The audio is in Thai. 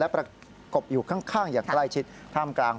ประกบอยู่ข้างอย่างใกล้ชิดท่ามกลาง